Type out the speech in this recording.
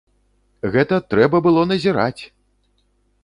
Гэта трэба было назіраць!